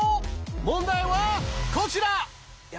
問題はこちら！